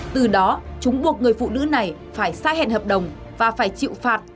từ đó chúng buộc người phụ nữ này phải xa hẹn hợp đồng và phải chịu phạt